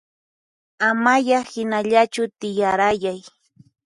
Amaya hinallachu tiyarayay